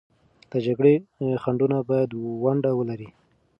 د جګړې خنډونه باید ونډه ولري.